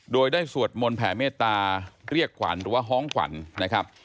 โดยได้สวดมนต์แผ่เมตตาเรียกขวัญหรือว่าฮ้องขวัญนะครับ